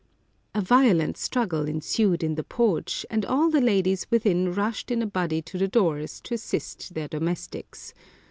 A violent struggle ensued in the porch, and all the ladies within rushed in a body to the doors, to assist their domestics.